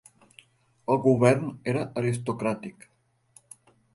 El govern era aristocràtic.